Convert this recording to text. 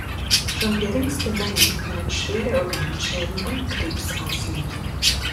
Schon geringste Mengen können schwere Organschäden und Krebs auslösen.